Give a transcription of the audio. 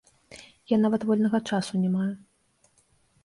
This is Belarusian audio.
Я нават вольнага часу не маю.